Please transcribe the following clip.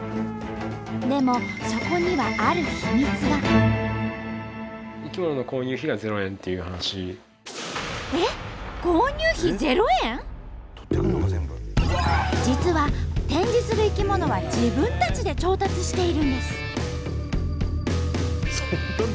でもそこには実は展示する生き物は自分たちで調達しているんです。